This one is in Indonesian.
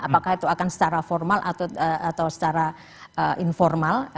apakah itu akan secara formal atau secara informal